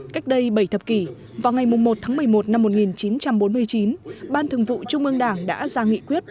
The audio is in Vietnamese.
cách đây bảy thập kỷ vào ngày một tháng một mươi một năm một nghìn chín trăm bốn mươi chín ban thường vụ trung ương đảng đã ra nghị quyết